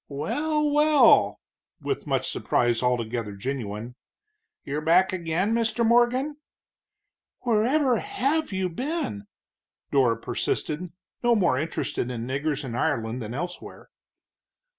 "Well, well!" with much surprise altogether genuine, "you're back again, Mr. Morgan?" "Wherever have you been?" Dora persisted, no more interested in niggers in Ireland than elsewhere.